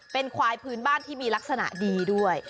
เป็นควายพื้นบ้านที่มีลักษณะดีด้วย